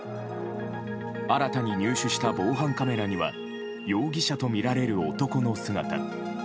新たに入手した防犯カメラには容疑者とみられる男の姿。